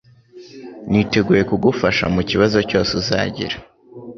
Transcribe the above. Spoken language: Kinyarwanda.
niteguye kugufasha mukibazo cyose uzagira